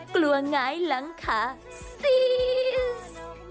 กลัวง้ายหลังค่ะซิส